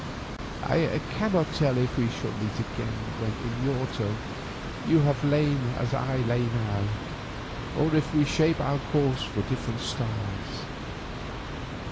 I cannot tell if we shall meet again when in your turn you have lain as I lie now, or if we shape our course for different stars.